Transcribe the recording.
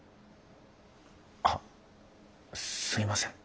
あすいません。